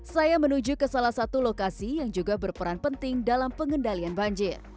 saya menuju ke salah satu lokasi yang juga berperan penting dalam pengendalian banjir